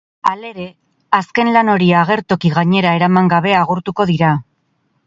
Halere, azken lan hori agertoki gainera eraman gabe agurtuko dira.